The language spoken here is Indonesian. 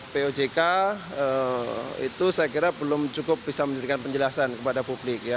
pojk itu saya kira belum cukup bisa memberikan penjelasan kepada publik